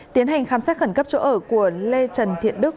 tiến hành khám xét khẩn cấp chỗ ở của lê trần thiện đức